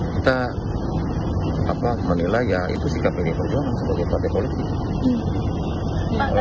kita menilai ya itu sikap pdi perjuangan sebagai partai politik